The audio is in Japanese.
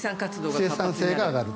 生産性が上がると。